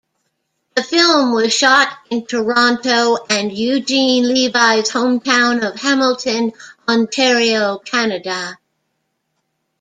The film was shot in Toronto and Eugene Levy's hometown of Hamilton, Ontario, Canada.